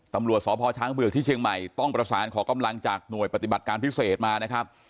ตำรวจสพช้างเบือกที่เชียงใหม่ต้องประสานขอกำลังจากหน่วยปฏิบัติการพิเศษมานะครับ